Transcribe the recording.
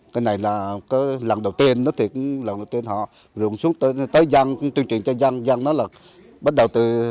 cái này là lần đầu tiên lần đầu tiên họ rừng xuống tới răng tuyên truyền cho răng răng đó là bắt đầu từ